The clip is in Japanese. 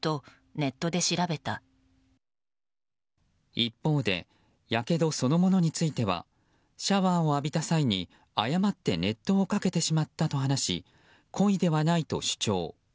一方でやけどそのものについてはシャワーを浴びた際に誤って熱湯をかけてしまったと話し故意ではないと主張。